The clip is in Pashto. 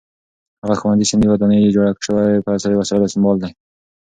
هغه ښوونځی چې نوې ودانۍ یې جوړه شوې په عصري وسایلو سمبال دی.